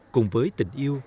cùng với tình yêu